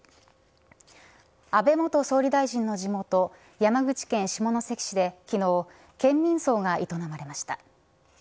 安倍元総理大臣の地元山口県下関市で昨日県民葬が営まれました。